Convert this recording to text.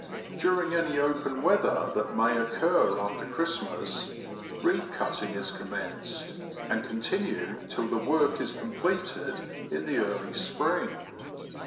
During any open weather that may occur after Christmas, reed cutting is commenced, and continued till the work is completed in the early spring.